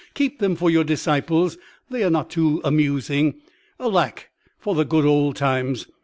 keep them for your disciples; they are not too amusing. Alack for the good old times!"